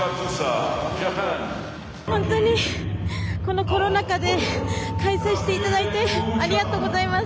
本当にこのコロナ禍で開催していただいてありがとうございます。